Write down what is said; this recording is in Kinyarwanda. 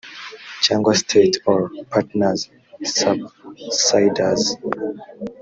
cyangwa state or partners subsidies